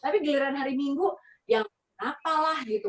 tapi giliran hari minggu yang kenapa lah gitu